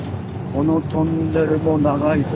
このトンネルも長いぞ。